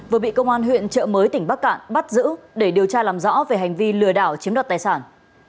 vừa bị công an huyện trợ mới tỉnh bắc cạn bắt giữ để điều tra làm rõ về hành vi lừa đảo chiếm đoạt tài sản